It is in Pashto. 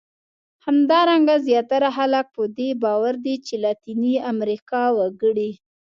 همدارنګه زیاتره خلک په دې باور دي چې لاتیني امریکا وګړي.